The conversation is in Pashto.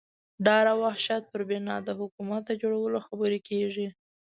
ډار او وحشت پر بنا د حکومت د جوړولو خبرې کېږي.